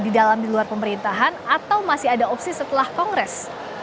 di dalam di luar pemerintahan atau masih ada opsi setelah kongres